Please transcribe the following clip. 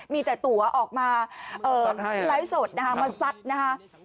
มีแต่ตัวออกมาไลฟ์โสดมาสัดนะคะ